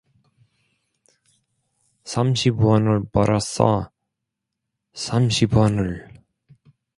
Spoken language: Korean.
삼십 원을 벌었어, 삼십 원을!